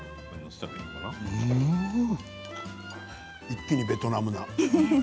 一気にベトナムだ。